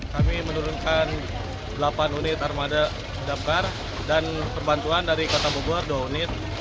kami menurunkan delapan unit armada damkar dan perbantuan dari kota bogor dua unit